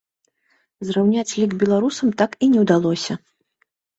Зраўняць лік беларусам так і не ўдалося.